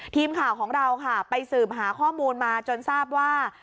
ทีมข่าวของเราค่ะไปสืบหาข้อมูลมาจนทราบว่า